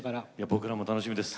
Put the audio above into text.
僕らも楽しみです。